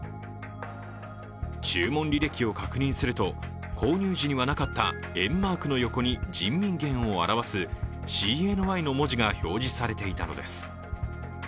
注文履歴を確認すると、購入時にはなかった￥マークの横に人民元を表すＣＮＹの文字が表示されていたのです